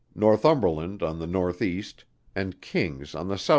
Northumberland on the N.E. and King's on the S.E.